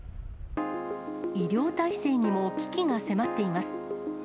医療体制にも危機が迫っています。